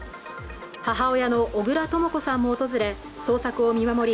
母親の小倉とも子さんも訪れ捜索を見守り